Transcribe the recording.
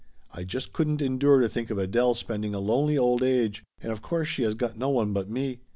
"I just couldn't endure to think of Adele spending a lonely old age, and of course she has got no one but me.